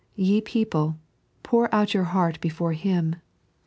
*' Ye people, pour out your heart before Him."